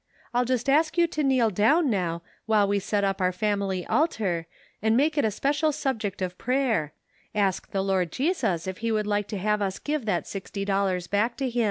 I'll just ask you to kneel down now, while we set up our family altar, and make it a special subject of prayer ; ask the Lord Jesus if he would like to have us give that sixty dollars back to him."